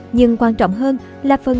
nhưng quan trọng hơn là phần